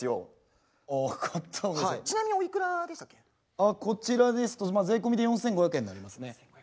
あこちらですと税込みで４，５００円になりますね。